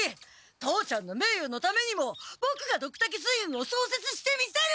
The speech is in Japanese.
父ちゃんのめいよのためにもボクがドクタケ水軍をそうせつしてみせる！